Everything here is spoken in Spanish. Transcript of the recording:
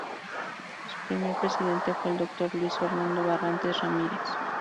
Su primer presidente fue el Dr. Luis Fernando Barrantes Ramírez.